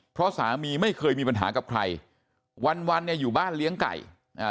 เพราะสามีไม่เคยมีปัญหากับใครวันอยู่บ้านเลี้ยงไก่ไว้